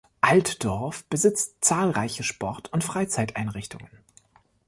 Altdorf besitzt zahlreiche Sport- und Freizeiteinrichtungen.